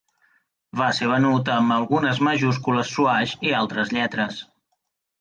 Va ser venut amb algunes majúscules swash i altres lletres.